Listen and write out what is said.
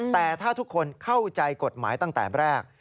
แต่ถ้าทุกคนเข้าใจกฎหมายตั้งแต่แรก